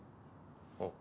あっ。